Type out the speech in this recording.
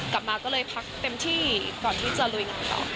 กลับมาก็เลยพักเต็มที่ก่อนที่จะลุยงานต่อ